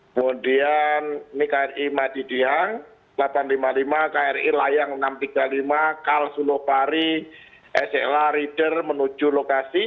kemudian ini kri madidihang delapan ratus lima puluh lima kri layang enam ratus tiga puluh lima kalsulopari sl reader menuju lokasi